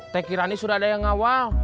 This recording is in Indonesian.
teh kirani sudah ada yang ngawal